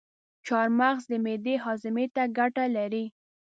چارمغز د معدې هاضمي ته ګټه لري.